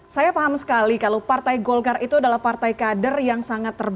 saya paham sekali kalau partai golkar itu adalah partai kader yang sangat terbuka